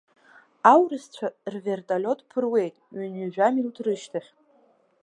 Аурысцәа рвертолиот ԥыруеит ҩынҩажәа минуҭ рышьҭахь.